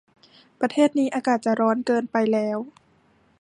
ประเทศนี้อากาศจะร้อนเกินไปแล้ว